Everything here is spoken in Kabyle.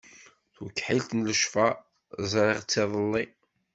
Tukḥilt n lecfar, ẓriɣ-tt iḍelli.